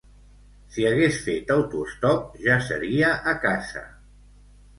Si hagués fet autostop ja seria a casa